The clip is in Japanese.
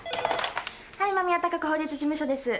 はい間宮貴子法律事務所です。